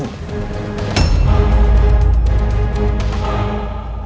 saya lupa sih bu